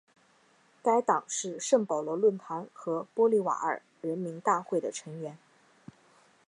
该党是圣保罗论坛和玻利瓦尔人民大会的成员。